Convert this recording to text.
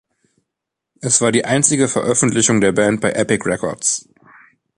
Es war die einzige Veröffentlichung der Band bei Epic Records.